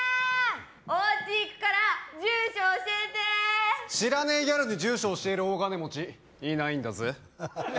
おうち行くから住所教えて知らねえギャルに住所教える大金持ちいないんだぜ